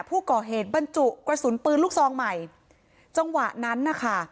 ผู้ก่อเหตุบรรจุกระสุนปืนลูกซองใหม่จังหวะนั้นน่ะค่ะ